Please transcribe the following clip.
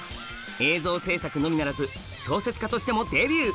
映像制作のみならず小説家としてもデビュー！